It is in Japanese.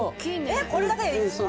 えっこれだけでいいんですか